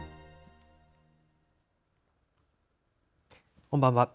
こんばんは。